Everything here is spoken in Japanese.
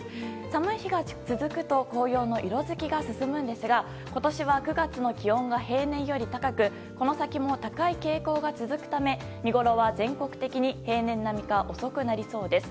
寒い日が続くと紅葉の色づきが進むんですが今年は９月の気温が平年より高くこの先も高い傾向が続くため見ごろは、全国的に平年並みか遅くなりそうです。